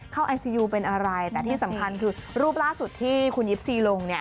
ไอซียูเป็นอะไรแต่ที่สำคัญคือรูปล่าสุดที่คุณยิปซีลงเนี่ย